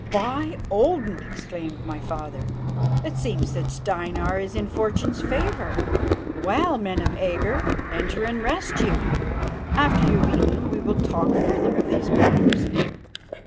"By Odin!" exclaimed my father, "it seems that Steinar is in Fortune's favour. Well, men of Agger, enter and rest you. After you have eaten we will talk further of these matters."